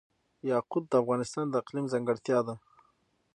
یاقوت د افغانستان د اقلیم ځانګړتیا ده.